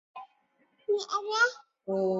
我叫帮手来